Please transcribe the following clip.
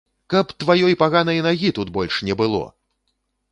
Каб тваёй паганай нагі тут больш не было!